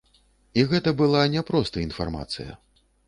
І гэта была не проста інфармацыя.